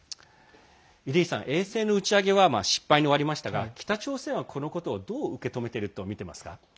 出石さん、衛星の打ち上げは失敗に終わりましたが北朝鮮は、このことをどう受け止めていると見ていますか？